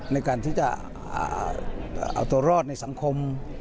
ในการที่จะเอาตัวรอดในสังคม